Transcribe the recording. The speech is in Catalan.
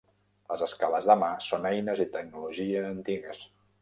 Les escales de mà són eines i tecnologia antigues.